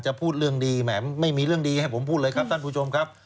พูดเรื่องดีแหมไม่มีเรื่องดีให้ผมพูดเลยครับท่านผู้ชมครับ